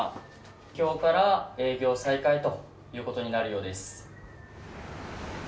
今日から営業再開ということになるようです。